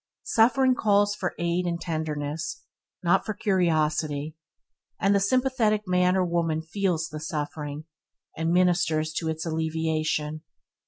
Suffering calls for aid and tenderness, and not for curiosity; and the sympathetic man or woman feels the suffering, and ministers to its alleviation.